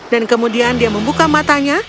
dan kemudian dia membuka matanya